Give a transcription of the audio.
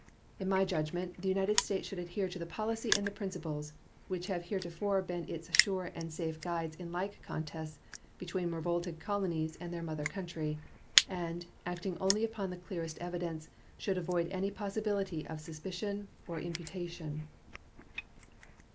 In my judgment the United States should adhere to the policy and the principles which have heretofore been its sure and safe guides in like contests between revolted colonies and their mother country, and, acting only upon the clearest evidence, should avoid any possibility of suspicion or of imputation.